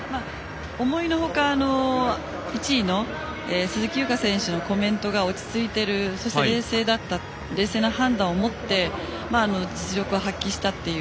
思いのほか、１位の鈴木優花のコメントが落ち着いているそして冷静な判断をもって実力を発揮したと。